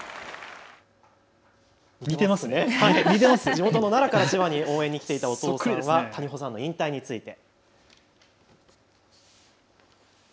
地元の奈良から応援に来ていたお父さんは谷保さんの引退について。